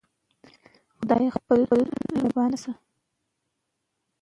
کروسنسکي په خپل کتاب کې د میرویس د درنښت خبره کوي.